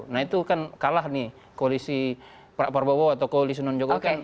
nah itu kan kalah nih koalisi prabowo atau koalisi non jokowi kan